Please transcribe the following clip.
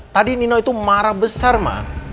tadi nino itu marah besar mah